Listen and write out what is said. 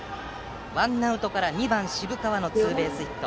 ワンアウトから２番、渋川のツーベースヒット。